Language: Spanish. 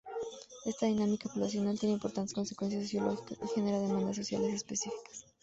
Esta dinámica poblacional tiene importantes consecuencias sociológicas y genera demandas sociales específicas.